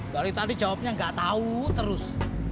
dari tadi jawabnya gak tau terus